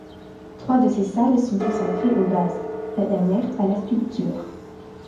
Trois de ces salles sont consacrées aux vases, la dernière à la sculpture.